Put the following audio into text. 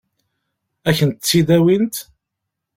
Ad kent-tt-id-awint?